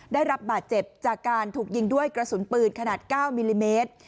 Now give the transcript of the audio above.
ได้รับบาดเจ็บจากการถูกยิงด้วยกระสุนปืนขนาด๙มิลลิเมตร